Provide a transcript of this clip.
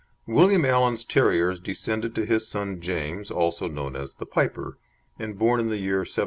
William Allan's terriers descended to his son James, also known as the "Piper," and born in the year 1734.